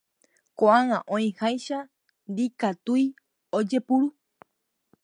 Koʼág̃a oĩháicha ndikatúi ojepuru.